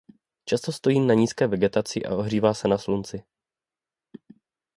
Často stojí na nízké vegetaci a ohřívá se na slunci.